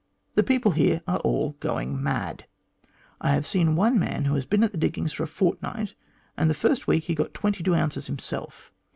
The people here are all going mad. I have seen one man who has been at the diggings for a fortnight, and the first week he got twenty two ounces him self.